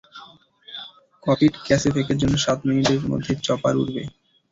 Copied ক্যাসেভেকের জন্য সাত মিনিটের মধ্যেই চপার উড়বে।